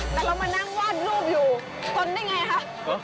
แต่เรามานั่งวาดรูปอยู่ทนได้ไงคะ